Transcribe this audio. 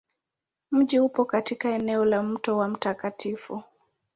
Mji upo katika eneo la Mto wa Mt.